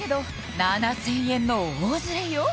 ７０００円の大ズレよ